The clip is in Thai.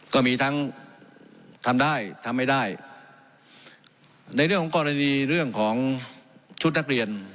ก็มีทั้งทำได้ทำไม่ได้ในเรื่องของกรณีเรื่องของชุดนักเรียน